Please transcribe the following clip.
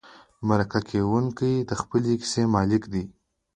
مرکه کېدونکی د خپلې کیسې مالک دی.